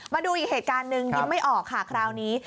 มาดูอีกเหตุการณ์หนึ่งยิ้มไม่ออกค่ะคราวนี้